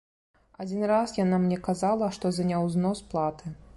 Адзін раз яна мне казала, што за няўзнос платы.